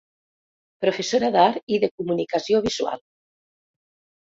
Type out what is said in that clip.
Professora d'art i de comunicació visual.